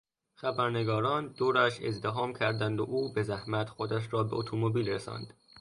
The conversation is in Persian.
خبرنگاران دورش ازدحام کردند و او به زحمت خودش را به اتومبیل رساند.